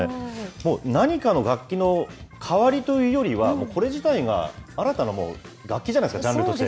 何かの楽器の代わりというよりは、もうこれ自体が、新たな、もう楽器じゃないですか、ジャンルとして。